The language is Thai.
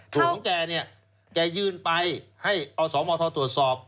ส่วนของแกแกยื่นไปให้เอาสองมอเทาตรวจสอบ